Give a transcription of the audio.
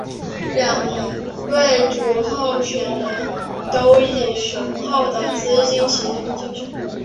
两位主要候选人都以雄厚资金启动竞选。